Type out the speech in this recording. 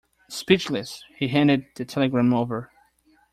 Speechless, he handed the telegram over.